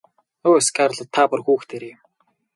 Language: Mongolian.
Өө Скарлетт та бүр хүүхдээрээ юм.